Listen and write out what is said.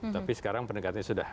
tapi sekarang pendekatannya sudah